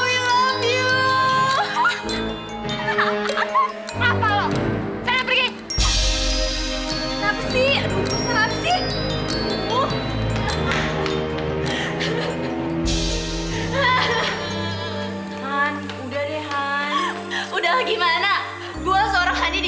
yah gak apa apa sih